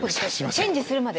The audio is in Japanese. チェンジするまで？